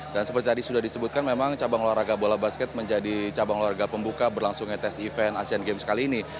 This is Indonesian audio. dan seperti tadi sudah disebutkan memang cabang olahraga bola basket menjadi cabang olahraga pembuka berlangsungnya tes event asean games kali ini